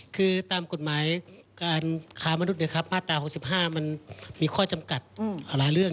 คือตามกฎหมายการค้ามนุษย์มาตรา๖๕มันมีข้อจำกัดหลายเรื่อง